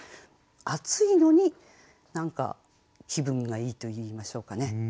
暑いのに何か気分がいいといいましょうかね。